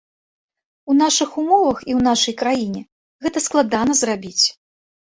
У нашых умовах і ў нашай краіне гэта складана зрабіць.